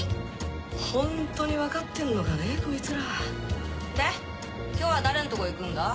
ホントに分かってんのかねぇこいつらで今日は誰んとこ行くんだ？